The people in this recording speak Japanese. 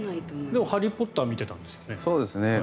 でも「ハリー・ポッター」を見てたんですよね。